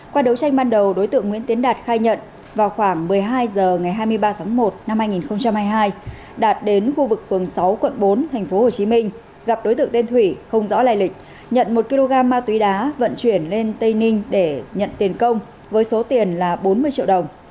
qua đấu tranh ban đầu đối tượng nguyễn tiến đạt khai nhận vào khoảng một mươi hai h ngày hai mươi ba tháng một năm hai nghìn hai mươi hai đạt đến khu vực phường sáu quận bốn tp hcm gặp đối tượng tên thủy không rõ lai lịch nhận một kg ma túy đá vận chuyển lên tây ninh để nhận tiền công với số tiền là bốn mươi triệu đồng